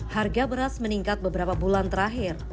harga beras meningkat beberapa bulan terakhir